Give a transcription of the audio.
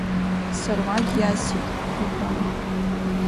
Сармагь иасит, — иҳәон.